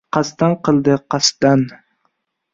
Qasddan qildi, qasddan!